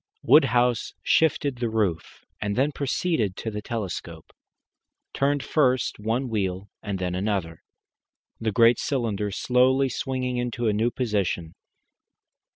Woodhouse shifted the roof, and then proceeding to the telescope, turned first one wheel and then another, the great cylinder slowly swinging into a new position.